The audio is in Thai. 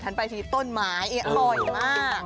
ไปที่ต้นไม้อร่อยมาก